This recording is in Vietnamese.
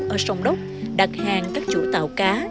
ở sông đốc đặt hàng các chủ tạo cá